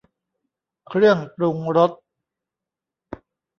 เครื่องปรุงรส